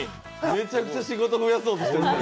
めちゃくちゃ仕事増やそうとしてる。